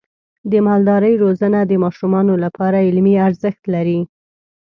د مالدارۍ روزنه د ماشومانو لپاره علمي ارزښت لري.